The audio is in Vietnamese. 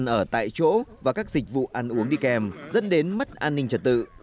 ăn ở tại chỗ và các dịch vụ ăn uống đi kèm dẫn đến mất an ninh trật tự